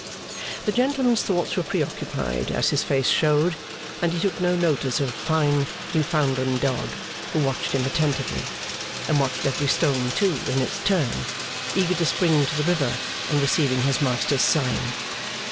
The gentleman's thoughts were preoccupied, as his face showed, and he took no notice of a fine Newfoundland dog, who watched him attentively, and watched every stone too, in its turn, eager to spring into the river on receiving his master's sign.